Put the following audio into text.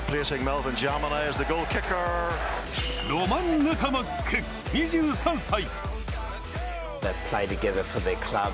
ロマン・ヌタマック、２３歳。